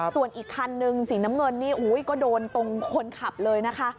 ส่วนอีกคันนึงสีน้ำเงินนี่ก็โดนตรงคนขับเลยนะคะ